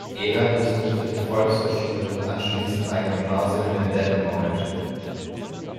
Ebert besuchte die Volksschule und anschließend ein Gymnasium in Detmold.